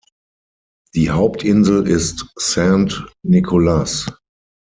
Die Hauptinsel ist Saint-Nicolas.